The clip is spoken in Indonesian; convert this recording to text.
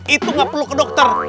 itu gak perlu ke dokter